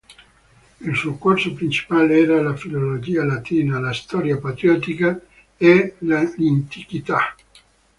Il suo corso principale era la filologia latina, la storia patriottica e l'ntichità.